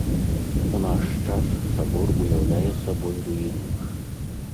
У наш час сабор уяўляе сабой руіны.